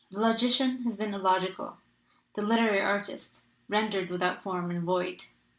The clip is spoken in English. The logician has been illogical, the literary artist ren dered without form and void.